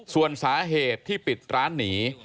ส่วนสาเหตุที่ปิดร้านหนี